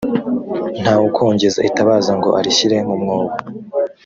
nta wukongeza itabaza ngo arishyire mu mwobo